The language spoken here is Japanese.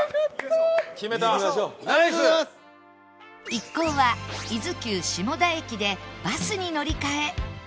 一行は伊豆急下田駅でバスに乗り換え